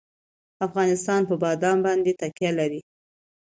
افغانستان په بادام باندې تکیه لري.